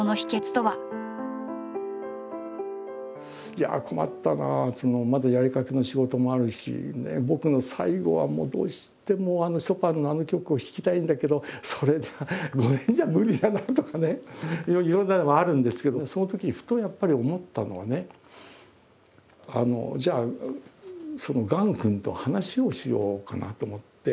いやあ困ったなあまだやりかけの仕事もあるし僕の最後はもうどうしてもショパンのあの曲を弾きたいんだけどそれでは５年じゃ無理だなとかねいろんなのはあるんですけどそのときふとやっぱり思ったのはねじゃあそのがん君と話をしようかなと思って。